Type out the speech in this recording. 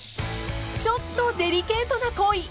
［ちょっとデリケートな行為］